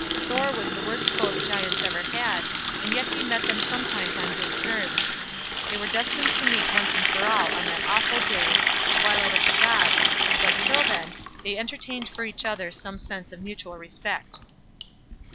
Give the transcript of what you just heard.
Thor was the worst foe the giants ever had, and yet he met them sometimes on good terms. They were destined to meet once for all on that awful day, "the twilight of the gods", but till then, they entertained for each other some sense of mutual respect.